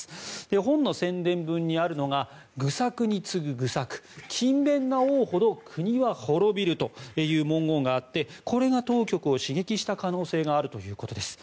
本の宣伝文にあるのが愚策に次ぐ愚策、勤勉な王ほど国は滅びるという文言があってこれが当局を刺激した可能性があるということです。